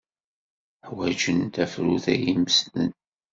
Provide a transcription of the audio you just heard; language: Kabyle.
Ḥwajen tafrut ay imesden.